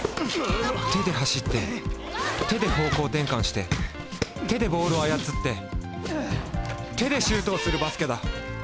手で走って手で方向転換して手でボールを操って手でシュートをするバスケだ！